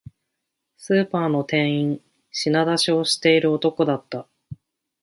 スーパーの店員、品出しをしている男だった